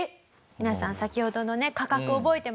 皆さん先ほどのね価格覚えてますか？